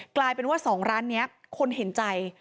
กลายเป็นว่า๒ร้านนี้คนเห็นใจ